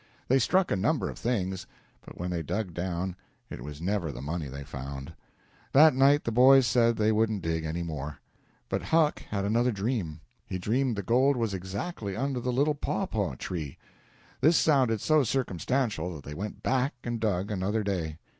They struck a number of things, but when they dug down it was never the money they found. That night the boys said they wouldn't dig any more. But Huck had another dream. He dreamed the gold was exactly under the little pawpaw tree. This sounded so circumstantial that they went back and dug another day.